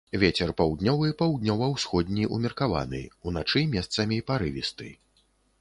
Вецер паўднёвы, паўднёва-ўсходні ўмеркаваны, уначы месцамі парывісты.